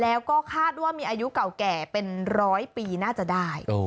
แล้วก็คาดว่ามีอายุเก่าแก่เป็นร้อยปีน่าจะได้